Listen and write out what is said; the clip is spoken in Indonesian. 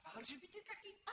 pak fa kakek dua ribu dua puluh